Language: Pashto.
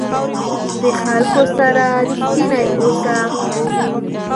د خلکو سره رښتینی اوسه.